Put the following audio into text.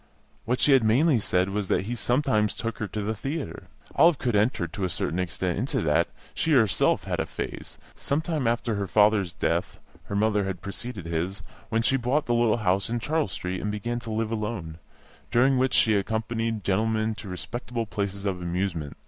What she had mainly said was that he sometimes took her to the theatre. Olive could enter, to a certain extent, into that; she herself had had a phase (some time after her father's death her mother's had preceded his when she bought the little house in Charles Street and began to live alone), during which she accompanied gentlemen to respectable places of amusement.